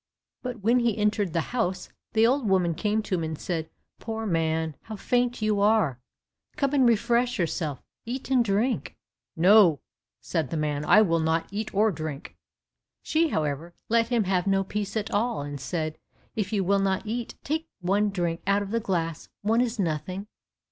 But when he entered the house the old woman came to him and said, "Poor man, how faint you are; come and refresh yourself; eat and drink." "No," said the man, "I will not eat or drink." She, however, let him have no peace, and said, "If you will not eat, take one drink out of the glass; one is nothing."